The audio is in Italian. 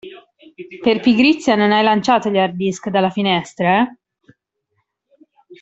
Per pigrizia non hai lanciato gli hard disk dalla finestra eh?